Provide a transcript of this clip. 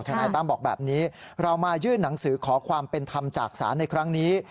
นายตั้มบอกแบบนี้เรามายื่นหนังสือขอความเป็นธรรมจากศาลในครั้งนี้